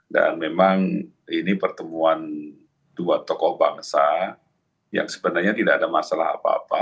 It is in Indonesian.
dan memang ini pertemuan dua tokoh bangsa yang sebenarnya tidak ada masalah apa apa